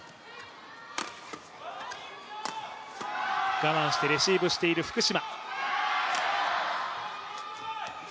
我慢してラリーしている福島。